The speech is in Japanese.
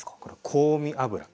香味油。